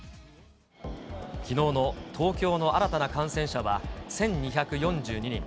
きのうの東京の新たな感染者は１２４２人。